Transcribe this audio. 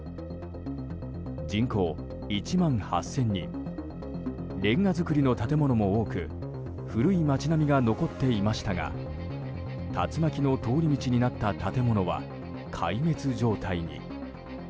人口１万８０００人レンガ造りの建物も多く古い町並みが残っていましたが竜巻の通り道になった建物は壊滅状態に。